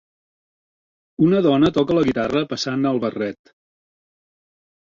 Una dona toca la guitarra passant el barret